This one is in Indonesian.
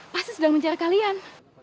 pasti sedang mencari kalian